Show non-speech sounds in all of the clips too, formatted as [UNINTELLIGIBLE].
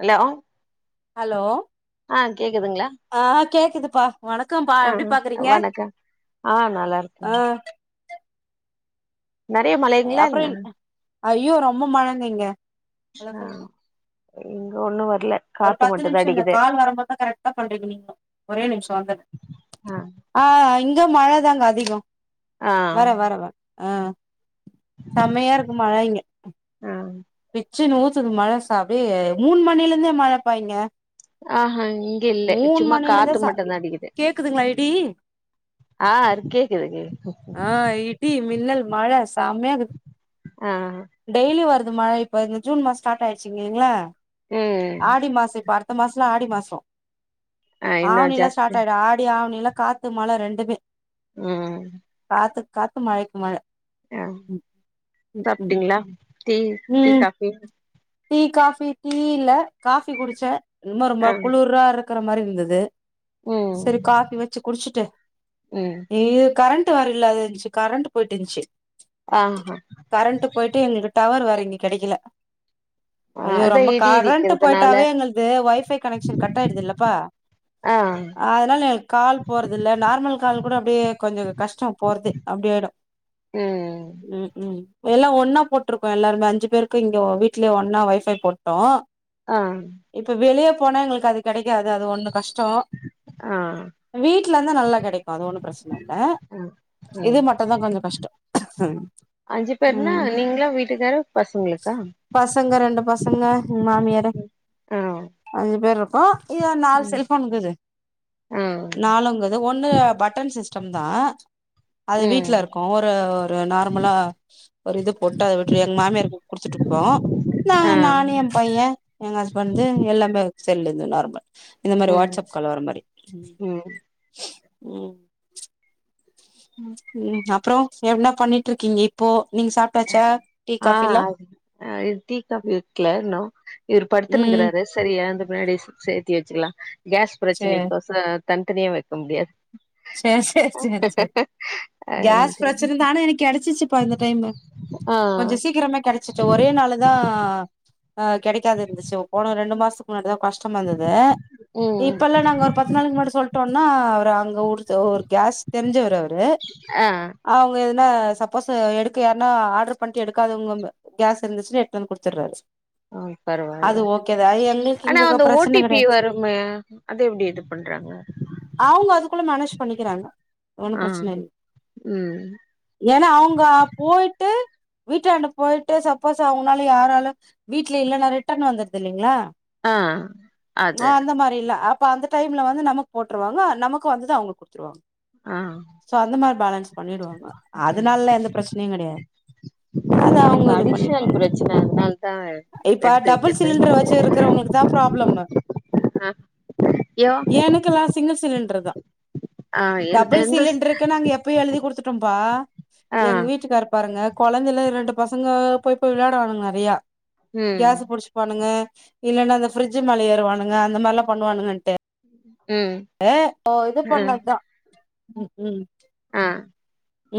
allow hello ஆ கேக்குதுப்பா வணக்கம்ப்பா ஆ ‌எப்டிபா ‌இக்குறீங்க வணக்கம் ஆ நல்லா அ இருக்கேன் நறைய மழைங்ளா அப்றோ என்ன என் ஐயோ ரொம்ப மழங்க இங்க ஹலோ ஆ சொல்லுங்க இங்க ஒன்னு வ ஆ இ ங்க மழதாங்க அதிகோ ஆ வரே வர வர ஆ செம்மையா இருக்கு மழை இங்க ஆ பிச்சுனு ஊத்துது மழ ச அப்டியே மூன் மணிலந்தே மழ பா இங்க ஆஹ இங்க இல்லே மூணு சும்மா மணில இருந்தே காத்து ச மட்டுந்தா அடிக்குது கேக்குதுங்களா இடி ஆஹ் கேக்குது கேக்குது சம்மயாகுது ஆ டெய்லி வரு து மழ இப்ப இந்த ஜூன் மாஸ் ஸ்டாட் ஆயிருச்சு இங்கிங்ளா ம் ஆடி மாசொ இப்ப அடு த்த மாஸ்லா ஆடி மாசோ ஆ ஆவணி இன்னும் எல்லா ஸ்டாட் ஜாஸ்தி ஆயிடு ஆடி ஆவணி ல்லா காத்து மழ ரெண்டுமே உம் காத்துக் காத்து மழைக் மழை அ சாப்டிங்ளா தெ டு டீ ம் காஃபி டீ காஃபி டீ இல்ல காஃபி குடிச்சே இன்மே ரொம்ப ஆ குளுராரு க்கற மாரி இருந்துது ம் செரி காஃபி வெச்சு குடிச்சுட்டு ம் இ கர ண்ட்டு வேர இல்லாதஞ்சு கரண்ட்டு போயிட்டிஞ்ச்சு ஆஹா கரண்ட்டு போய்ட்டு எங்க கி டவர் வேற இங்க கெடைக்கில ஆ ஐயோ அதான் ரொம்ப இடி கரண்ட்டு இடிக்கிறதுனால போய்ட்டாவே எங்கள்து ஒய்ஃபை கனெக்ஷன் கட் ஆயிடுது இல்லப்பா ஆ அதனால எங்ளக் கால் போறது இல்ல நார்மல் கால் கூட அப்டே கொஞ்ச கஷ்ட போறது அப்டி ஆயிடு ம் ம் ம் எல்லா ஒன்னா போட் ட்ரூக்கோ எல்லாருமே அஞ்சு பேருக்கு இங்க வீட்லே ஒன்னா ஒய்ஃபை போட்டோ ஆ இப்ப வெளிய போனா எங்களுக்கு அது கெடைக்காது அது ஒண்ணு கஷ் டம் ஆ வீட்லந்தா நல்லா கெடைக்கு அது ஒண்ணு பிரச்சன இல்ல ம் இது ம் மட்டு தா கொஞ்சோ கஷ்டொ அஞ்சு பேர்னா ம் நீங்களு வீட்டுக்காரு பசங்களுக்கா பசங்க ரெண்டு பசங்க மாமியாரு ஆ [UNINTELLIGIBLE] பேர் ஆ கிழ நாலு ம் செல்ஃபோன் இக்குது ஆ நாலுங்கது ஒன்னு பட்டன் சிஸ்டம் தா அது ம் வீட்லருக்கு ஒரு ஒரு நார்மலா ஒரு இது போட்டு விட்ரு எங்க மாமியார் குடுத்துட்ருப்போ நா ஆ நானு ஏன் பையன் எங்க ஹஸ்பண்ட் எல்லா போயி இல்ல இது நார்மல் இந்த மாரி ம் வாட்ஸ்ஸப் கால் வர மாரி ம் ம் ம் அப்றோ எவ்னா பண்ணிட்ருக்கீங்க இப்போ நீங்க சாப்ட்டாச்சா டீ ஆ காஃபில்லா அது இ டீ ஃகாபி வைக்ல இன்னு இவரு ம் படுத்துன்னுகாரு சரி எழுந்த பின்னாடி சேத்தி வச்சுக்லா கேஸ் சேர் பிரச்சனைக்கோச தனித்தனியா வக்க முடியாது சேர் சேர் சேர் சேர் கேஸ் அப்டின்ட்டு ப்ரச்சன தான எனக்கு கடச்சிச்சு பா இந்த டைமு ஆ கொஞ்சோ சீக்ரமே கெடச்சிட்டு ஒரே நாளு தா ஆ கெடைக்காதுந்துச்சு போன ரெண்டு மாசத்துக்கு முன்னாடி தா கஷ் டமாந்தது ம் இப்பல்லா நாங்க ஒரு பத்து நாளுக்கு முன்னாடி சொல்ட்டோ னா அவர் அங்க உரு ஒரு கேஸ் தெரிஞ்சவரு அவரு ஆ அவங்க ந சப்போஸ் எடுக்க யார்னா ஆட்ரு பண்ணிட்டு எடுக்காதவங்க கேஸ் இருந்துச்சுனா எடுத் வந்து குடுத்துட்றாரு ஆ பரவால்ல எங்களுக்கு ஆனா இங்க அந்த பிரச்சன ஓடிபி கெடையாது வருமே அது எப்டி இது பண்றாங்க அவங்க அதுக்குள்ள மேனேஜ் பண்ணிக்கிறாங்க ஒண்ணு ஆ ப்ரச்சன இல்ல ம் ஏனா அவங்க போய்ட்டு வீட்டாண்ட போய்ட்டு சப்போஸ் அவங்கனால யாராலு வீட்ல இல்லன்னா ரிட்டன் வந்துருது இல்லங்களா ஆ ஆ அது அந்த மாரில்லா அ அப்ப அந்த டைம்ல வந்து நமக்கு போட்ருவாங்க நமக்கு வந்துது அவங்க குடு துருவாங் ஆ சோ அந்த மாரி பேலன்ஸ் பண்ணிடுவாங்க அதனால்லா எந்த பிரச்சனையு கெடையா அத எனக்கு அவூங்க இது அடிஷனல் பண்ணிப்பாங்க பிரச்சன அதனால தா இப்ப எடுத்து டபுள் வைக்கிறது சிலிண்டர் வச்சி இருக்கவங்களுக்கு தா ப்ராப்ளம் ஆ யோ எனக்குல்லா சிங்கிள் சிலிண் ட்ரதா ஆ எந் டபுள் எந்த சிலிண்ட்ருக்கு நாங்க எப்பயோ எழுதி குடுத்து ம்பா ஆ எங்க வீட்டுக்கார் பாருங்க கொழந்தைல ரெண்டு பசங்க போய் போய் விளையாடுவானுங்க நெறையா ம் கேசு புடிச்சு பானுங்க இல்லனா இந்த ஃப்ரிட்ஜு மேல ஏறுவானுங்க அந்த மாரிலா பண்ணுவானுங்கன்ட்டு ம் ஏ ஓ இது ஆ பண்ணதுதான் ம் ம் ஆ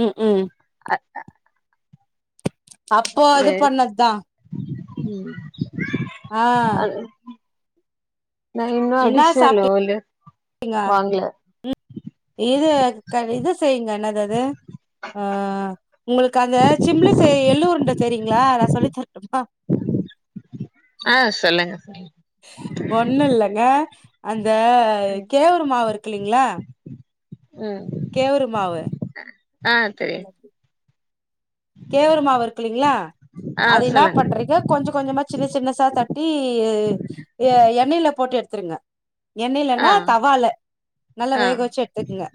ம் ம் ஆ அப்போ அது பண்ணதுதான் ஆ அது நா இன்னும் அடிஷன்ல்யோ இல்ல தேங்கா ம் இது இது செய்யுங்க என்னது அது ர ஆ உங்களுக்கு அந்த சிம்லி செய் எல்லுருண்ட தெரி ங்களா நா சொல்லித்தர ஆ சொல்லுங்க ஒண்ணும் இல்லங்க அ அந் இந்த ம் கேவுரு மாவு இருக்குல்லைலங்களா ம் கேவுரு மாவு ஆ தெரியு கேவுரு மாவு இருக்கு இல்லலைங்களா ஆ அது என்ன சொல்லுங்க பண்றீங்க கொஞ்சம் கொஞ்சமா சின்ன சின்ன சா தட்டி எண்ணெயில போட்டு எடுத்துருங்க ஆ எண்ணெயிலனா தவால நல்லா ஆ வேக வச்சு எடுத்துக்கங்க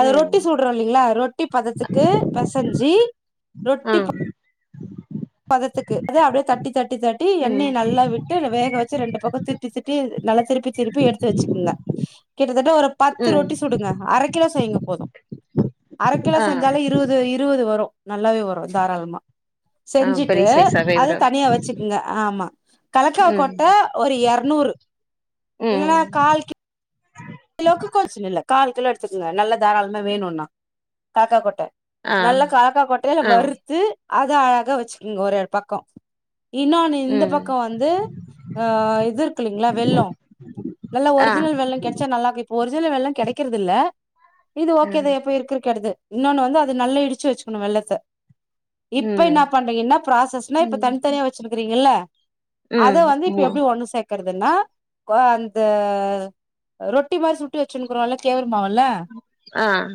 அத ம் ரொட்டி சுடுறோம் இல்லலைங்களா ரொட்டி பதத்துக்கு பெசஞ்சி ஆ ரொட்டி ப பதத்துக்கு அது அப்டே தட்டி தட் தட்டி தட்டி எண்ணெய் ம் நல்லா விட்டு வேக வச்சு ரெண்டு பக்கம் திருட்டி திருட்டி நல்லா திருப்பி திருப்பி எடுத்து வச்சுக்குங்க கிட்டத்தட்ட ஒரு பத்து ம் ரொட்டி சுடுங்க அர கிலோ செய்யுங்க போதும் அரக்கிலோ ஆ செஞ்சாலே இருவது இருவது வரும் நல்லாவே வரும் தாராளமா ஆ செஞ்சுட்டு பெரிய சைஸாவே அது வரு தனியா வச்சுக்குங்க ஆமா ம் கலக்காக்கொட்ட ஒரு எரநூறு இல்லன்னா ம் கால் கி லோ எடுத்துக்குங்க நல்ல தாராளமா வேணுனா காக்கா கொட்ட ஆ நல்ல கலாக்கா கொட்டைல்ல ஆ வறுத்து அது அழகா வச்சுக்கோங்க ஒரே பக்கம் இன்னொன்னு இந்த ம் பக்கம் வந்து ஆஹ் இது இருக்குல்லீங்களா வெள்ளம் நல்லா ஆ ஒரிஜினல் வெள்ளம் கேட் நமக்கு இப்ப ஒரிஜினல் வெல்லம் கிடைக்கறதில்ல இது ம் ஓகேதான் இப்போ [UNINTELLIGIBLE] இன்னொன்னு வந்து அது நல்லா இடிச்சு வச்சுக்கணும் வெள்ளத்த இப்ப ம் என்ன பண்றீங்கன்னா ப்ராசஸ்னா இப்ப ம் தனித்தனியா வச்சிருக்கறீங்கல்ல அத ம் வந்து இப்ப மு எப்டி ஒண்ணு சேக்க இருக்கறதுன்னா அந்த ரொட்டி மாரி சுட்டு வச்சுனுக்கிறோல ஆஹ்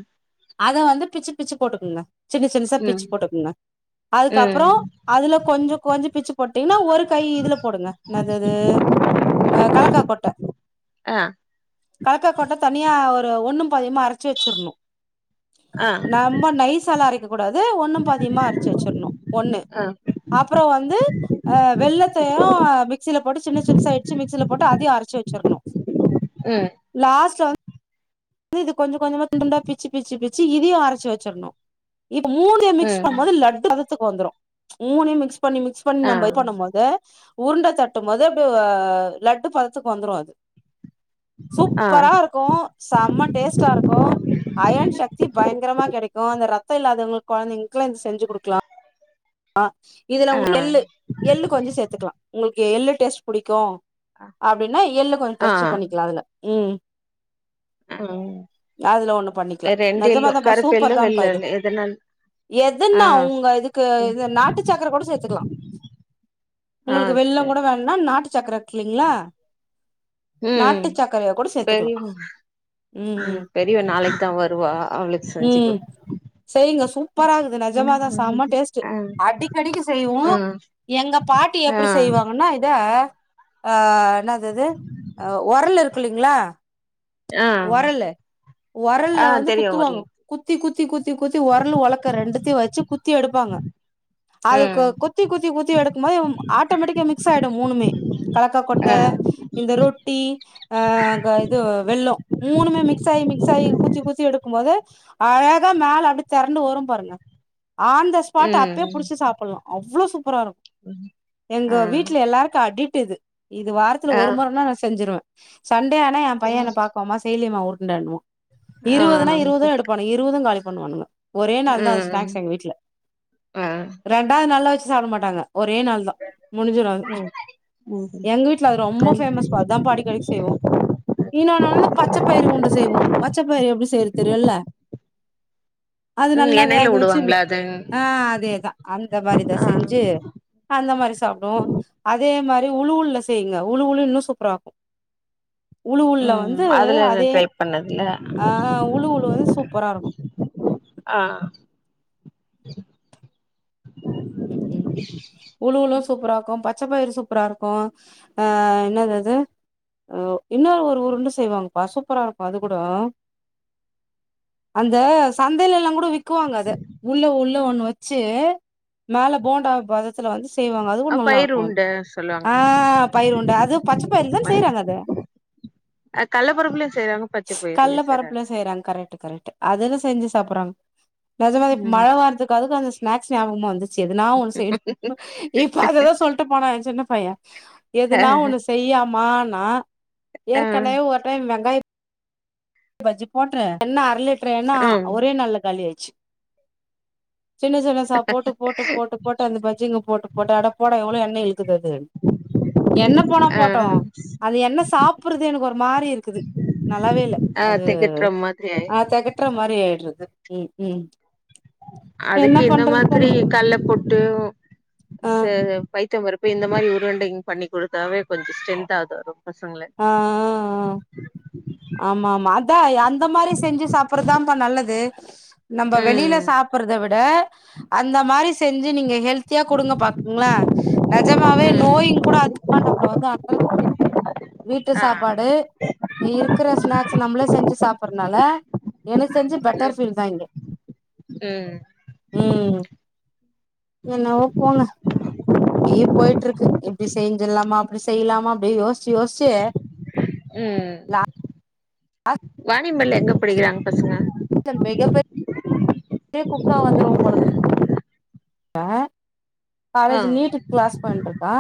அத வந்து பிச்சு பிச்சு போட்டுக்குங்க சின்ன சின்னசா பிச்சு ம் போட்டுக்குங்க அதுக்கப்புற ம் அதுல கொஞ்சம் கொஞ்சம் பிச்சு போட்டீங்கன்னா ஒரு கை இதுல போடுங்க இன்னாது அது கலக்கா கொட்ட ஆ கலக்ககொட்ட தனியா ஒரு ஒண்ணும் பாதியுமா அரைச்சு வச்சிரணும் ஆ நம்ம நைசால அரைக்க கூடாது ஒண்ணும் பாதியுமா அரைச்சு வச்சிரணும் ஒண்ணு ஆ அப்புறம் வந்து அஹ் வெள்ளத்தையும் மிக்சியில போட்டு சின்ன சின்னசா சாயிடுச்சு மிக்சியில போட்டு அதையும் அரைச்சு வச்சிரணும் ம் லாஸ்ட் வந் [UNINTELLIGIBLE] கொஞ்ச கொஞ்சம துண் துண்டா பிச்சு பிச்சு பிச் ச்சு இதயும் அரைச்சு வச்சிரணும் இப்ப மூணுத மிக்ஸ் ம் பண்ணும்போது லட்டு பதத் க்கு வந்துரும் மூணையும் மிக்ஸ் பண்ணி மிக்ஸ் பண்ணி ஆ நம்ம இது பண்ணும் போது உருண்ட தட்டும் போது அப் அ லட்டு பதத்துக்கு வந்துரு அது ஆ சூப்பரா இருக்கு செம்ம டேஸ்ட்டா இருக்கு அயன் சக்தி பயங்கரமா கெடைக்கு அந்த ரத்தம் இல்லாதவங்களுக்கு கொழந்தைங்களுக்குல்லா இது செஞ்சு கொடுக்கலா ஆஹ் இதுல ஆ உங்க எள்ளு எள்ளு கொஞ்ச சேத்துக்கலா உங்களுக் எள்ளு டேஸ்ட்டு புடிக்கு அப்டின்னா எள்ள கொஞ்சோ ஆ டச்ச பண்ணிக்கலா அதுல உம் ம் அதுல ஒண்ணு பண்ணிக்கலா ரெண்டு நெஜமா எல்லோ தாப்பா கருப்பு எல்லோ சூப்பர் வெள்ள தாப்பா இது எல்லோ எதனால ஆ எதுன்னா உங்க இதுக்கு ம் இந்த நாட்டு சக்கர கூட சேர்த்துக்கலா ஆ உங்களுக்கு வெள்ள சரி கூட வேண்னா நாட்டு சக்கர ங்களா ம் நாட்டு சக்கரையா கூட சேத்துக்கலா பெரியவ உம் ம் பெரியவ நாளைக்கு தா வருவா அவளுக்கு செஞ்சு உம் குடு செய்ங்க சூப்பராகுது நஜமாதா செம டேஸ்ட்டு ஆ அடிக்கடிக்கு செய்வோ ஆ எங்க பாட்டி ஆ எப்டி செய்வாங்கன்னா இத ஆஹ் என்னாதது ஒரல் இருக்குல்லைங்ளா ஆ ஒரல் ஒரல்ல ஆ வந்து தெரியு ஒரு குத்துவாங்க குத்தி குத்தி குத்தி குத்தி ஒரல் ஒலக்க ரெண்டுத்தையு வச்சு குத்தி எடுப்பாங்க அதுக்கு ம் குத்தி குத்தி குத்தி எடுக்கும் போது ஆட்டோமேட்டிக்கா மிக்ஸ் ஆயிடு மூணுமே கலக்கா கொட்ட ஆ இந்த ரொட்டி ஆஹ் இது ல்லோ மூணுமே மிக்ஸ் ஆகி மிக்ஸ் ஆகி குத்தி குத்தி எடுக்கும்போது அழகா மேல அப்படி தெரண்டு வரும் பாருங்க ஆன் த ஸ்பாட் ம் அப்பயே புடிச்சு சாப்பட்லா அவ்ளோ சூப்பரா இருக் எங்க வீட்ல ஆ எல்லாருக்கு அடிட் டுது இது வாரத்துல ஒரு மொறனா நா செஞ்சிருவே சண் டே ஆனா என் பையன் என்ன மா செய்லியாமா உருண்டனுவா ஆ இருவதுனா ஆ இருவது எடுப்பானு இருவதும் காலி பண்ணுவானுங்க ஒரே நாள் தா ம் ஸ்நாக்ஸ் எங்க வீட்டுல ஆ ரெண்டாவது நாள்ளா வச்சு சாப்ட மாட்டாங்க ஒரே நாள் தா முடிஞ்சுரு அது ம் ம் எங்க வீட்டுல அது ரொம்ப சரி ஃபேமஸ் பா அதா பா அடிக்கடிக்கு செய்வோம் இன்னோன்னு வந்து பச்சப்பயிறு உருண்ட செய்வோ பச்சப்பயிறு எப்டி செய்யற தெரியுல்ல அது ம் நல்லா எண்ணெய்ல வேக வச்சு வுடுவாங்களா அது ஆஹ் அதேதா அந்த மாறி தா ஆ செஞ்சு அந்த மாறி சாப்டுவோ அதே மாறி உளுவுல்ல செய்ங்க உளுவுலு இன்னு சூப்பராருக்கு உளு உள்ள ம் வந்து அதுல நா அதே ட்ரை பண்ணதுல ஆஹ உளு உளு வந்து சூப்பராருக்கு ஆ ஆ ம்க்கும் உழுவுல ஸ் சூப்பராருக்கு பச்சப்பயிறு சூப்பராருக்கு ஆ என்னாதது இன்னொரு ஒரு உருண்ட செய்வாங்கப்பா சூப்பராருக்கும் அது கூடோ அந்த சந்தைலெல்லா கூட க்குவாங்க அத உள்ள உள்ள ஒன்னு வச் வச்சு மேல போண்டா பதத்துல வந்து செய்வாங்க அது கூட அ பயிர் நல்லாருக்கு உருண்ட ஆ சொல்லுவாங்க பயிர் உருண்ட அதும் பச்ச பயிறுலதான பயிர் செய்றாங்க அத அ கள்ளப்பருப்புலயு செய்றாங்க பச்ச பயிர்லயு கல்லபருப்புல செய்றாங்க கரெக்ட்டு கரெக்ட்டு அதெல்லா செஞ்சு சாப்புட்றாங்க நெஜமாவே மழ ம் வர்றத்துக்கு அதுக்கு அந்த ஸ்நாக்ஸ் ஞாபகமா வந்துச் சிது நா ஒன்னு செய்ணு இப்ப அததா சொல்ட்டு போனா ஏ சின்ன பைய ஆ எதுனா ஒன்னு செய்யேமானு நா ஏற்கனவே ஒரு டைம் வெங்காய பஜ்ஜி போட்டே எண்ணெ அர லிட் எண்ணெ ஆ ம் ஒரே நாள்ல காலி ஆயிடுச்சு சின்ன சின்ன சா போட்டு போட்டு போட்டு போட்டு அந்த பஜ்ஜிங்க போட்டு போட்டு அட போடா எவ்ளோ எண்ணெய் இழுகுது அது எண்ணெ போனா ஆ போட்டோ அது எண்ணெ சாப்புட்றது எனக்கு ஒரு மாரி இருக்குது நல்லாவே இல்ல ஆ அது திகட்ற மாதிரி ஆயி ஆ தேக்கட்ற மாரி ஆயிட்றது ம் ம் என்ன அதுக்கு இந்த பண்றது போங்க மாதிரி கல்ல போட்டு ஆ ச பைத்தம் பருப் இப்ப இந்த மாரி உருண்டைங்க பண்ணிக்குடுத்தாவே கொஞ்சே ஸ்ட்ரந்தாவது வரு பசங்களுக்கு ஆ ஆ ஆ ஆமா ஆமா அத் அத அந் அந்த மாரி செஞ்சு சாப்பிட்றதுதாப்பா நல்லது நம்ம வெளில ம் சாப்பிட்றத விட அந்த மாரி செஞ்சி நீங்க ஹெல் தியா குடுங்க பாத்துக்குங்களே நெஜம் மாவே ம் நோயு கூட அதிகமா நம்மள வந்து அண்டுறது கெடையாது வீட்டு ஆ சாப்பாடு இருக்கிற ஸ்நாக் ஸ் நம்மளே செஞ்சு சாப்பறனால எனக்கு செஞ்சு பெட்டர் ஃபீல் தா இங்க உம் உம் என்னவோ போங்க அப்டியே போயிட்டு இருக்கு இப்டி செஞ்சிடலாமா அப்டி செய்லாமா அப்டி யோசிச்சு யோசிச்சு லா வாணியம்பாடியில எங்க படிக்கிறாங்க பசங்க [UNINTELLIGIBLE] அப்டியே கூப்பிட்டா வந்துருவா போல இருக்குது ஆ ஆ காலேஜ் நீட்க்கு கிளாஸ் பண்ட்டு இருக்கா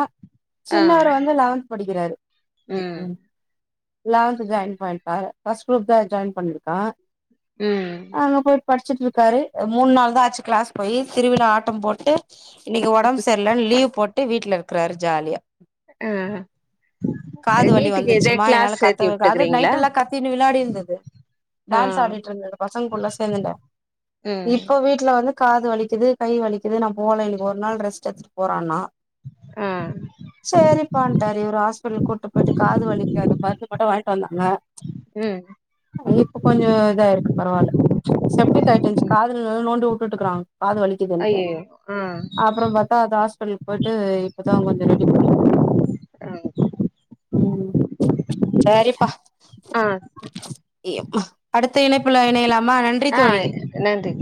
ஆ சின்னவர் வந்து லெவன்த் படிக்கிறாரு உம் ம் உம் லெவன்த் ஜாயின் பண்ணிட்டா ஃபர்ஸ்ட் குரூப் தா ஜாயின் பண்ணிருக்கா உம் டிச்சிட்டு இருக்காரு மூணு நாள் தா ஆச்சு கிளாஸ் போய் திருவிழா ஆட்டம் போட்டு இன்னைக்கு ஒடம்பு சரில்லன்னு லீவ் போட்டு வீட்டுல இருக்கிறாரு ஜாலியா ஆ காது வலி நீட்டுக்கு எதா வந்துச்சுமா என்னால கிளாஸ் சேத்தி கத்த அது விட்டுக்கிறீங்களா நைட்டு எல்லா கத்தின்னு விளாடி இருந்தது ஆ டான்ஸ் ஆடிட்டு இருந்தது பசங்களுக்குள்ள சேந்துட்டு ம் இப்போ வீட்டுல வந்து காது வலிக்குது கை வலிக்குது நா போல இன்னைக்கு ஒரு நாள் ரெஸ்ட் எத்துட்டு போறேனா ஆ சேரிப்பான்ட்டே இவுரு ஹாஸ்பிட்டலுக்கு கூட்டுப் போயிட்டு காது வலிக்கு மருந்து மட்டும் வாங்கி ங்க ம் இப்ப கொஞ்ச இதாயிருக்கு பரவால்ல செப்டிக் ஆயிட்டுந்ச்சு ம் காதுலே நோண்டி உட்டுட்டுருக்கா காது வலிக்குதுன்ட்டு ஐயையோ ஆ அப்புறம் பாத்தா அந்த ஹாஸ்பிடலுக்கு போய்ட்டு இப்பதா கொஞ்ச ரெடி பண்ணிட்டிருக்கே ஆ ம் சரிப்பா ஆஹ் அடுத்த இணைப்புல இணையலாமா நன் ஆஹ் நன்றி